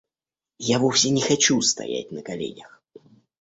Я вовсе не хочу стоять на коленях.